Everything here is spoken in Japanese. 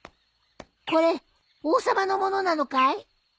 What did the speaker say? これ王様のものなのかい？